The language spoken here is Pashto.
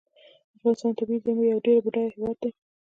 افغانستان د طبیعي زیرمو یو ډیر بډایه هیواد دی.